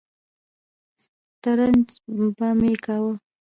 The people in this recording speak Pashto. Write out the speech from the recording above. سترنج به مې کاوه.